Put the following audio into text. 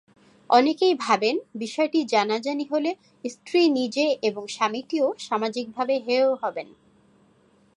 অনেকেই ভাবেন বিষয়টি জানাজানি হলে স্ত্রী নিজে এবং স্বামীটিও সামাজিকভাবে হেয় হবেন।